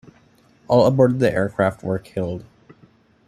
All aboard the aircraft were killed.